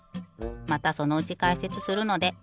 またそのうちかいせつするのでおたのしみに。